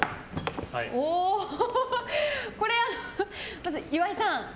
まず岩井さん。